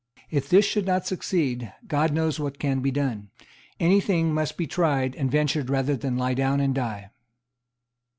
"If this should not succeed, God knows what can be done. Any thing must be tried and ventured rather than lie down and die."